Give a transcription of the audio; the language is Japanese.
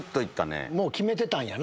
もう決めてたんやな